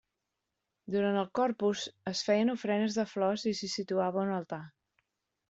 Durant el Corpus es feien ofrenes de flors i s'hi situava un altar.